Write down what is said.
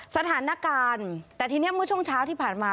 สถานการณ์แต่ทีนี้เมื่อช่วงเช้าที่ผ่านมา